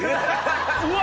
うわ！